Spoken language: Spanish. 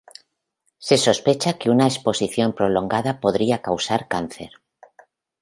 Se sospecha que una exposición prolongada podría causar cáncer.